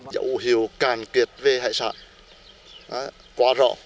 dẫu hiểu càn kiệt về hải sản quá rõ